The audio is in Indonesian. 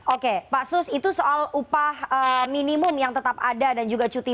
oke pak sus itu soal upah minimum yang tetap ada dan juga cuti